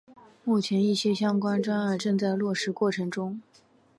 目前一些相关专案正在落实过程中。